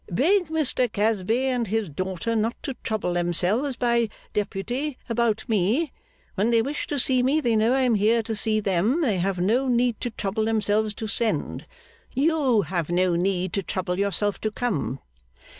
'Beg Mr Casby and his daughter not to trouble themselves, by deputy, about me. When they wish to see me, they know I am here to see them. They have no need to trouble themselves to send. You have no need to trouble yourself to come.